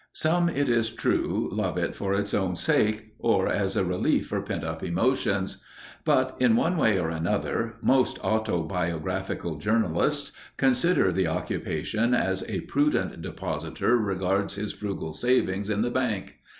Some, it is true, love it for its own sake, or as a relief for pent up emotions, but, in one way or another, most autobiographical journalists consider the occupation as a prudent depositor regards his frugal savings in the bank.